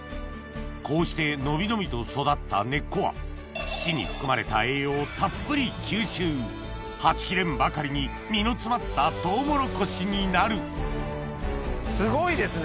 こうして伸び伸びと育った根っこはたっぷりはち切れんばかりに実の詰まったトウモロコシになるすごいですね